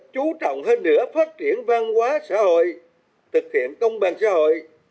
chú trọng hơn nữa phát triển văn hóa xã hội thực hiện công bằng xã hội